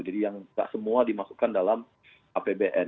jadi yang tak semua dimasukkan dalam apbn